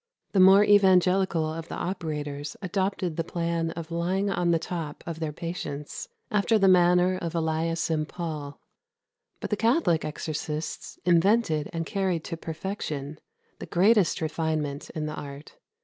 The more evangelical of the operators adopted the plan of lying on the top of their patients, "after the manner of Elias and Pawle." But the Catholic exorcists invented and carried to perfection the greatest refinement in the art.